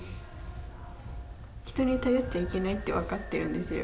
人に頼っちゃいけないって分かってるんですよ